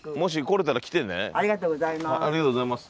ありがとうございます。